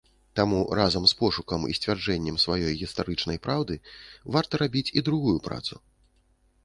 Таму разам з пошукам і сцверджаннем сваёй гістарычнай праўды варта рабіць і другую працу.